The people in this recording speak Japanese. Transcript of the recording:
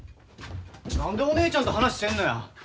何でお姉ちゃんと話せんのや？